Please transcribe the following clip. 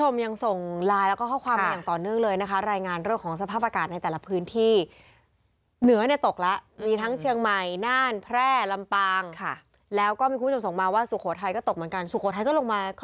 ค่ะแล้วก็มีคุณผู้ชมส่งมาว่าศุโขทัยก็ตกเหมือนกันสุโขทัยก็ลงมาข้อ